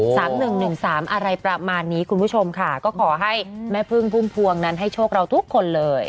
หนึ่งหนึ่งสามอะไรประมาณนี้คุณผู้ชมค่ะก็ขอให้แม่พึ่งพุ่มพวงนั้นให้โชคเราทุกคนเลย